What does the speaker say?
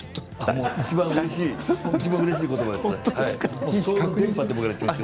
いちばんうれしいことばです。